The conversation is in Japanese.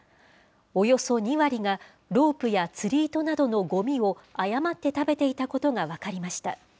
およそ２割がロープや釣り糸などのごみを誤って食べていたことが分かりました。